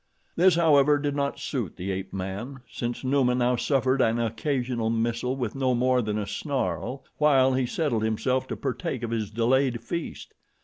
This, however, did not suit the ape man, since Numa now suffered an occasional missile with no more than a snarl, while he settled himself to partake of his delayed feast.